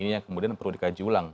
ini yang kemudian perlu dikaji ulang